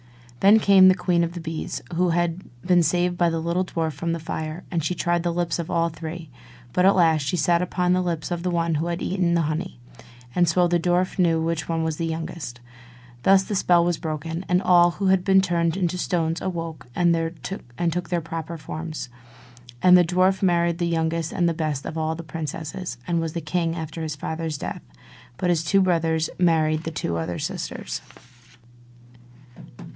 Then came the queen of the bees, who had been saved by the little dwarf from the fire, and she tried the lips of all three; but at last she sat upon the lips of the one that had eaten the honey: and so the dwarf knew which was the youngest. Thus the spell was broken, and all who had been turned into stones awoke, and took their proper forms. And the dwarf married the youngest and the best of the princesses, and was king after her father's death; but his two brothers married the other two sisters.